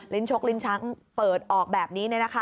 ลิ้นชกลิ้นชั้นเปิดออกแบบนี้เนี่ยนะคะ